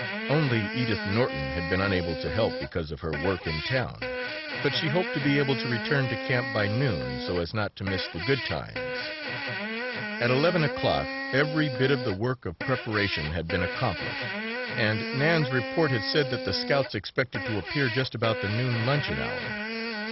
Only Edith Norton had been unable to help because of her work in town, but she hoped to be able to return to camp by noon so as not to miss the good times. At eleven o'clock every bit of the work, of preparation had been accomplished and Nan's report had said that the Scouts expected to appear just about the noon luncheon hour.